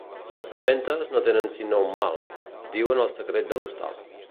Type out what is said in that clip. Les serventes no tenen sinó un mal: diuen el secret de l'hostal.